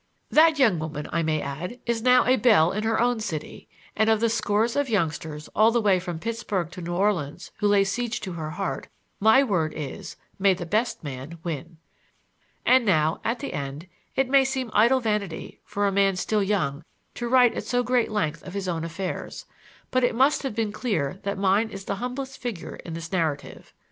That young woman, I may add, is now a belle in her own city, and of the scores of youngsters all the way from Pittsburg to New Orleans who lay siege to her heart, my word is, may the best man win! And now, at the end, it may seem idle vanity for a man still young to write at so great length of his own affairs; but it must have been clear that mine is the humblest figure in this narrative.